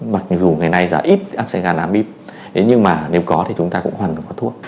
mặc dù ngày nay là ít ổ áp xe gan amip nhưng mà nếu có thì chúng ta cũng hoàn toàn có thuốc